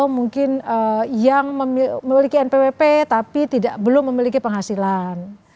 mungkin yang memiliki npwp tapi belum memiliki penghasilan